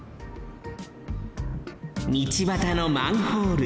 みちばたのマンホール。